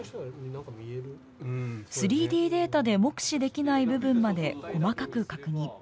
３Ｄデータで目視できない部分まで細かく確認。